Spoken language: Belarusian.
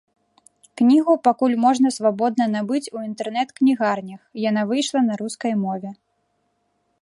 Кнігу пакуль можна свабодна набыць у інтэрнэт-кнігарнях, яна выйшла на рускай мове.